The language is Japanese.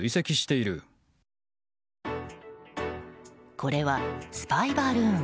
これは、スパイバルーン。